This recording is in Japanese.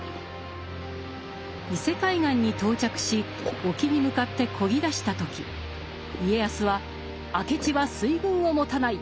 伊勢海岸に到着し沖に向かってこぎだした時家康は「明智は水軍を持たない。